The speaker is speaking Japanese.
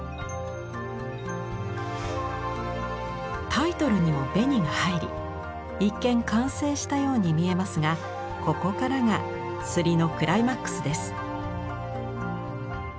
タイトルにも紅が入り一見完成したように見えますがここからが摺りのクライマックスです。